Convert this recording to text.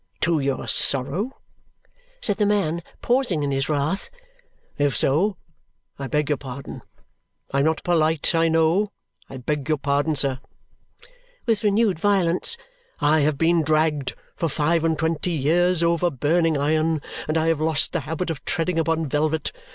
"To your sorrow?" said the man, pausing in his wrath, "if so, I beg your pardon. I am not polite, I know. I beg your pardon! Sir," with renewed violence, "I have been dragged for five and twenty years over burning iron, and I have lost the habit of treading upon velvet.